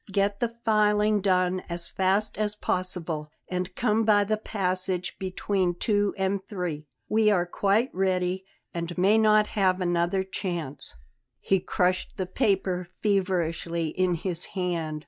Get the filing done as fast as possible, and come by the passage between two and three. We are quite ready and may not have another chance." He crushed the paper feverishly in his hand.